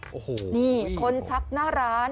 โอ้โหนี่คนชักหน้าร้าน